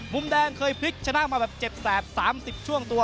มุมแดงเคยพลิกชนะมาแบบเจ็บแสบ๓๐ช่วงตัว